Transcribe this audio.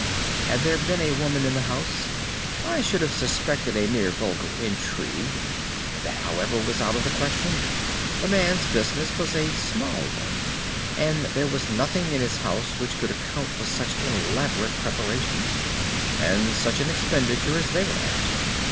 "Had there been women in the house, I should have suspected a mere vulgar intrigue. That, however, was out of the question. The man's business was a small one, and there was nothing in his house which could account for such elaborate preparations, and such an expenditure as they were at.